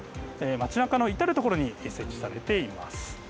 街なかの至る所に設置されています。